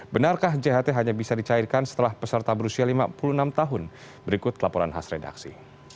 benarkah jht hanya bisa dicairkan setelah peserta berusia lima puluh enam tahun berikut laporan khas redaksi